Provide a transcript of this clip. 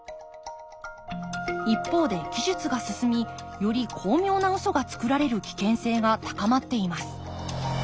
一方で技術が進みより巧妙なウソがつくられる危険性が高まっています。